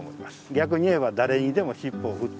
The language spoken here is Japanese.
逆に言えば誰にでも尻尾を振っていかない。